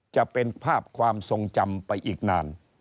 จะเป็นภาพความทรงจำไปอีกนาน